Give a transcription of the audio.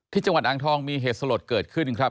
ที่จังหวัดอ่างทองมีเหตุสลดเกิดขึ้นครับ